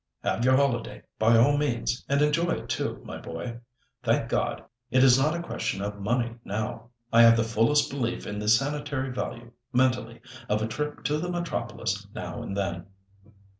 "Have your holiday, by all means, and enjoy it too, my boy. Thank God, it is not a question of money now. I have the fullest belief in the sanitary value, mentally, of a trip to the metropolis now and then."